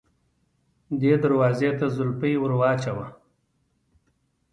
دې دروازې ته زولفی ور واچوه.